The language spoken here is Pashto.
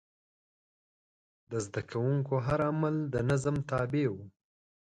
د زده کوونکو هر عمل د نظم تابع و.